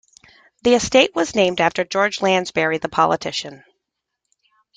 The estate was named after George Lansbury the politician.